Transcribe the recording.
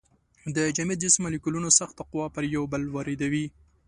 د جامد جسم مالیکولونه سخته قوه پر یو بل واردوي.